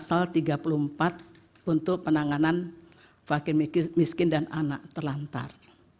sesuai dengan tujuan dari pasal tiga puluh empat untuk penanganan vaksin miskin dan anak terlantar